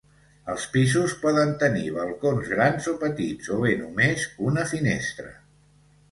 Els pisos poden tenir balcons grans o petits o bé només una finestra.